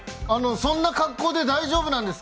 そんな格好で大丈夫なんです